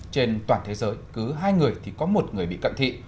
trên toàn thế giới cứ hai người thì có một người bị cận thị